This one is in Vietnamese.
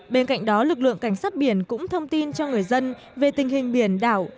bên cạnh đó lực lượng cảnh sát biển cũng thông tin cho người dân về tình hình biển đảo